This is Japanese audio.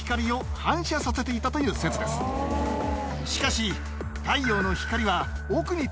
しかし。